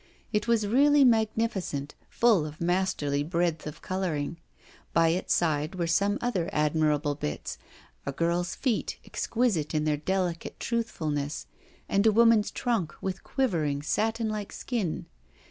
It was really magnificent, full of masterly breadth of colouring. By its side were some other admirable bits, a girl's feet exquisite in their delicate truthfulness, and a woman's trunk with quivering satin like skin.